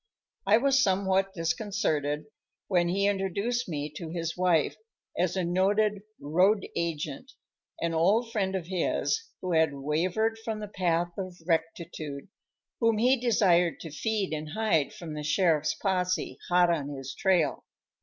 I was somewhat disconcerted when he introduced me to his wife as a noted "road agent" an old friend of his who had wavered from the path of rectitude whom he desired to feed and hide from the sheriff's possè, hot on his trail.